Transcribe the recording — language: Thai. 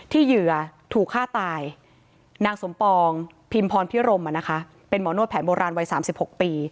เหยื่อถูกฆ่าตายนางสมปองพิมพรพิรมเป็นหมอนวดแผนโบราณวัย๓๖ปี